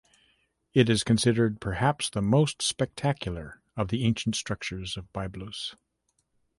It is considered "perhaps the most spectacular" of the ancient structures of Byblos.